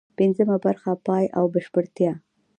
پنځمه برخه: پای او بشپړتیا